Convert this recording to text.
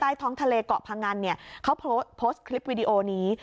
ท้องทะเลเกาะพงันเนี่ยเขาโพสต์คลิปวิดีโอนี้